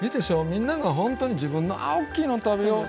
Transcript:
みんながほんとに自分のあっおっきいの食べよう。